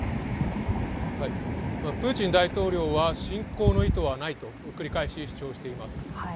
プーチン大統領は侵攻の意図はないと繰り返し主張しています。